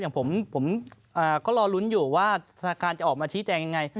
อย่างผมก็รอลุ้นอยู่ว่าธนาคารจะออกมาชี้แจงยังไง